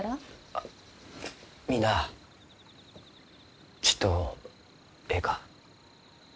あみんなあちっとえいか？